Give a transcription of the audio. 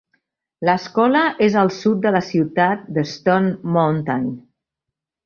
L'escola és al sud de la ciutat de Stone Mountain.